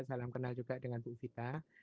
salam kenal juga dengan kita